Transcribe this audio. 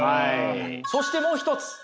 そしてもう一つ